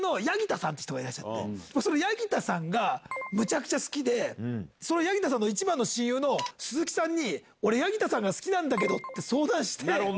八木田さんがむちゃくちゃ好きでその八木田さんの一番の親友の鈴木さんに俺八木田さんが好きなんだけどって相談して。